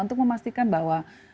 untuk memastikan bahwa